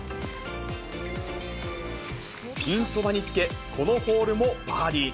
ピンそばにつけ、このホールもバーディー。